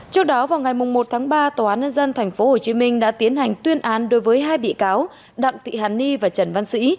trước đó vào ngày một tháng ba tòa án nhân dân tp hcm đã tiến hành tuyên án đối với hai bị cáo đặng thị hàn ni và trần văn sĩ